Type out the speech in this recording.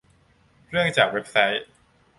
เรื่องจากเว็บไซต์